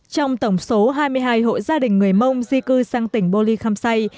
trong tổng số hai mươi hai hộ gia đình người mông di cư sang tỉnh bô ly khăm say